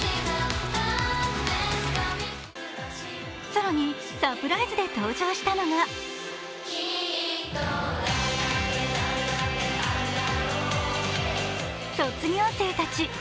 更にサプライズで登場したのが卒業生たち。